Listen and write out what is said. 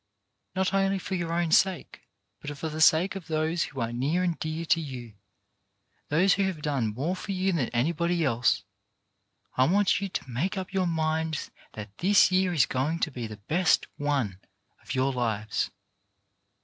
Not 277 278 CHARACTER BUILDING only for your own sake, but for the sake of those who are near and dear to you, those who have done more for you than anybody else, I want you to make up your minds that this year is going to be the best one of your lives.